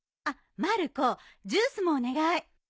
あっまる子ジュースもお願い。